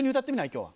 今日は。